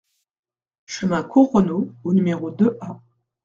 Chemin Cour Renaud au numéro deux A